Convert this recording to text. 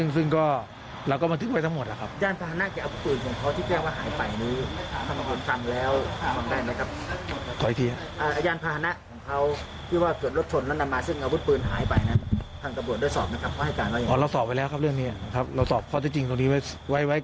แปดปีที่ผ่านไปและลักษณะกระทักผู้จำได้ดี